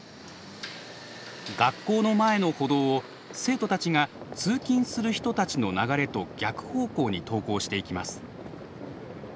学校の前の歩道を生徒たちが通勤する人たちの流れと逆方向に登校していきます。